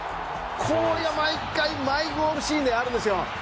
これが毎回、毎ゴールシーンであるんですよ。